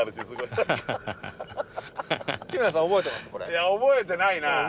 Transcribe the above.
いや覚えてないなあ。